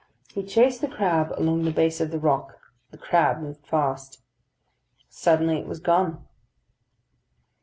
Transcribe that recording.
He chased the crab along the base of the rock; the crab moved fast. Suddenly it was gone.